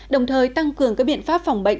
đồng thời tăng cường các biện pháp phòng bệnh